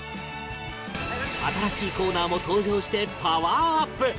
新しいコーナーも登場してパワーアップ！